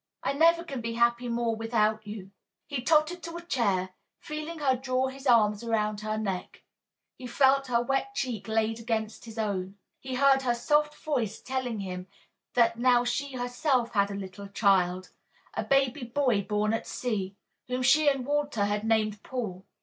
I never can be happy more without you." He tottered to a chair, feeling her draw his arms around her neck. He felt her wet cheek laid against his own. He heard her soft voice telling him that now she herself had a little child a baby boy born at sea whom she and Walter had named Paul.